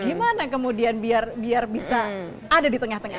gimana kemudian biar bisa ada di tengah tengah